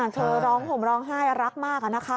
เธอร้องผมร้องไห้รักมากอะนะคะ